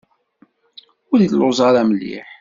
Ur lluẓeɣ ara mliḥ.